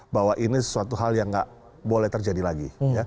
bahwa ini sesuatu hal yang nggak boleh terjadi lagi